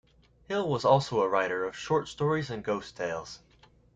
Hill was also a writer of short stories and ghost tales.